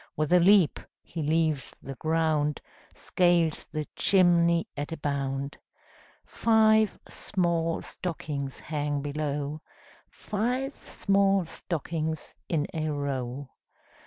With a leap he leaves the ground, Scales the chimney at a bound. Five small stockings hang below; Five small stockings in a row.